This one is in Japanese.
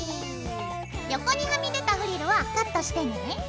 横にはみ出たフリルはカットしてね。